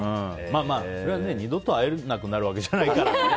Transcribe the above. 二度と会えなくなるわけじゃないからね。